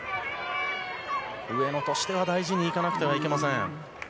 上野としては大事にいかなくてはいけません。